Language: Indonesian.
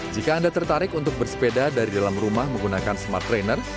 jika anda tertarik untuk bersepeda dari dalam rumah menggunakan smart trainer